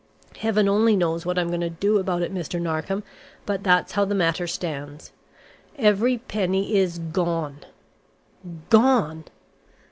Heaven only knows what I'm going to do about it, Mr. Narkom, but that's how the matter stands. Every penny is gone." "Gone!"